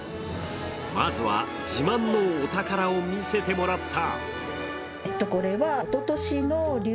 まずは、自慢のお宝を見せてもらった。